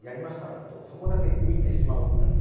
だとそこだけ浮いてしまうっていう。